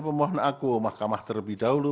pemohon aku mahkamah terlebih dahulu